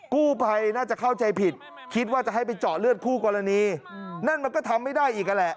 กู้ไพน่าจะเข้าใจผิดคิดว่าจะให้ไปเจาะเลือดผู้กรณี